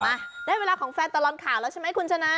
มาได้เวลาของแฟนตลอดข่าวแล้วใช่ไหมคุณชนะ